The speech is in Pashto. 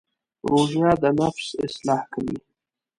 روژه د نفس اصلاح کوي.